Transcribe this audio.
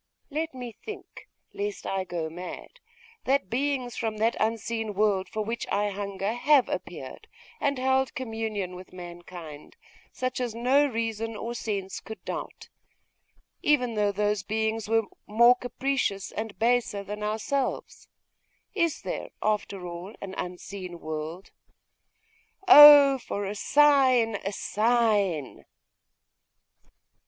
Let me think, lest I go mad, that beings from that unseen world for which I hunger have appeared, and held communion with mankind, such as no reason or sense could doubt even though those beings were more capricious and baser than ourselves! Is there, after all, an unseen world? Oh for a sign, a sign!